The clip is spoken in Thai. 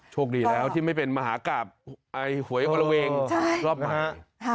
โชคดีแล้วที่ไม่เป็นมหากราบหวยอรเวงรอบม้า